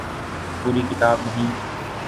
پوری کتاب نہیں۔